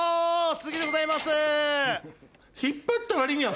鈴木でございます。